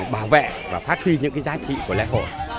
bảo vệ và phát huy những cái giá trị của lãnh hội